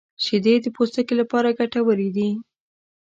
• شیدې د پوستکي لپاره ګټورې دي.